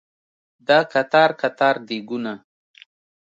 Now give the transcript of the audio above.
دا قطار قطار دیګونه